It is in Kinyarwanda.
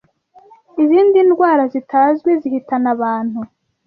izindi ndwara zitazwi zihitana abantu